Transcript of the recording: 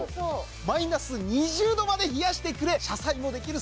マイナス２０℃まで冷やしてくれ車載もできる